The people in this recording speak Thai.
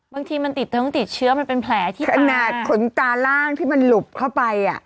บางทีมันติดทั้งติดเชื้อมันเป็นแผลที่ขนาดขนตาล่างที่มันหลุบเข้าไป